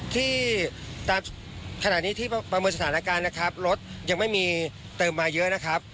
ที่ตามขณะนี้ที่ประเมินสถานการณ์นะครับรถยังไม่มีเติมมาเยอะนะครับ